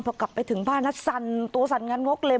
พอกลับไปถึงบ้านนะสั่นตัวสั่นงานงกเลย